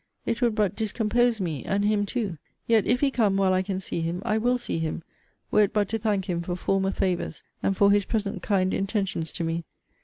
It would but discompose me, and him too. Yet, if he come while I can see him, I will see him, were it but to thank him for former favours, and for his present kind intentions to me.